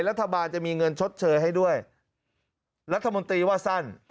รัฐบาลจะมีเงินชดเชยให้ด้วยรัฐมนตรีว่าสั้น